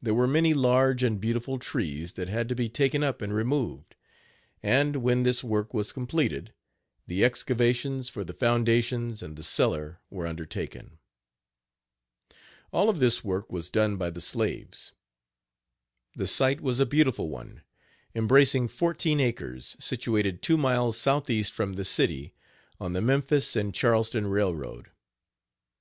There were many large and beautiful trees that had to be taken up and removed; and, when this work was completed, the excavations for the foundations and the cellar were undertaken. All of this work was done by the slaves. The site was a beautiful one, embracing fourteen acres, situated two miles southeast from the city, on the Memphis and Charleston railroad.